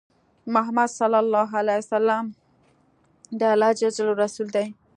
محمد صلی الله عليه وسلم د الله جل جلاله رسول دی۔